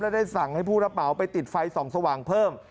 ได้สั่งให้ผู้รับเหมาไปติดไฟส่องสว่างเพิ่ม